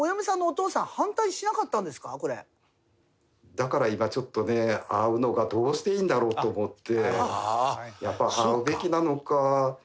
だから今ちょっとね会うのがどうしていいんだろうと思ってやっぱ会うべきなのか。